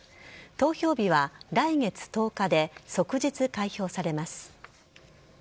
投票日は来月１０日で即日開票されます。